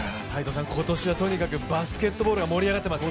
今年はとにかくバスケットボールが盛り上がってます。